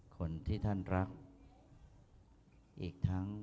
คนที่ท่านรัก